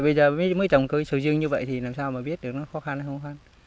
bây giờ mới trồng cây sầu riêng như vậy thì làm sao mà biết được nó khó khăn hay không khó khăn